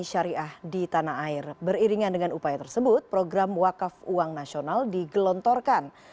syariah di tanah air beriringan dengan upaya tersebut program wakaf uang nasional digelontorkan